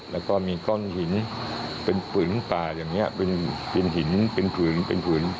แล้วก็มีก้อนหินเป็นผืนป่าอย่างนี้เป็นหินเป็นผืนเป็นผืน